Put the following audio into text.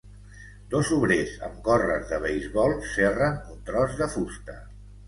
Dos obrers amb gorres de beisbol, serren un tros de fusta.